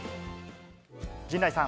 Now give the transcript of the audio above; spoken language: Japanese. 陣内さん。